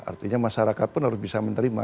artinya masyarakat pun harus bisa menerima